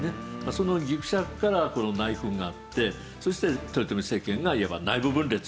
そのぎくしゃくからこの内紛があってそして豊臣政権がいわば内部分裂を起こし始めるんですね。